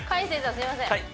すいません